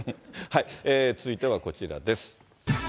続いてはこちらです。